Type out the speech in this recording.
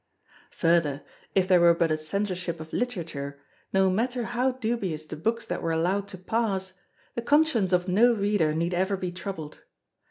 Further, if there were but a Censorship of Literature, no matter how dubious the books that were allowed to pass, the conscience of no reader need ever be troubled.